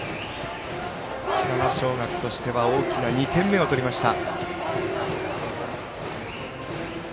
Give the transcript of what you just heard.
沖縄尚学としては大きな２点目を取りました。